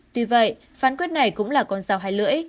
tuy vậy phán quyết này cũng là con dao hai lưỡi